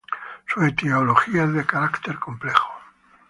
Su etiología es de carácter complejo.